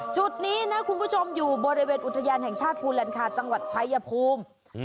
จุดนี้นะคุณผู้ชมอยู่บริเวณอุทยานแห่งชาติภูแลนคาจังหวัดชายภูมิ